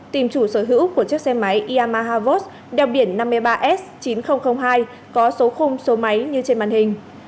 tìm chủ sở hữu của chiếc xe máy iamavos đeo biển năm mươi ba s chín nghìn hai có số khung số máy như trên màn hình